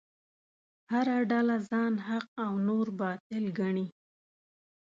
هره ډله ځان حق او نور باطل ګڼي.